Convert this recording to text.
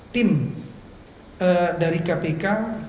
tim dari kpk